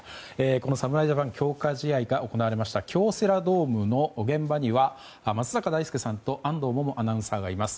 この侍ジャパンの強化試合が行われました京セラドームの現場には松坂大輔さんと安藤萌々アナウンサーがいます。